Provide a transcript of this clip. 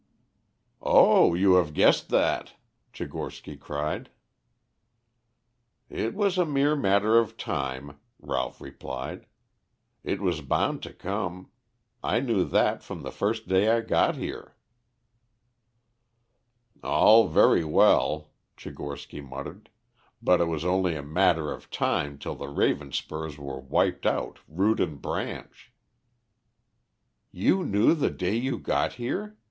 "Oh, you have guessed that!" Tchigorsky cried. "It was a mere matter of time," Ralph replied. "It was bound to come. I knew that from the first day I got here." "All very well," Tchigorsky muttered; "but it was only a 'matter of time' till the Ravenspurs were wiped out root and branch." "You knew the day you got here?"